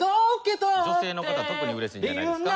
女性の方特に嬉しいんじゃないですか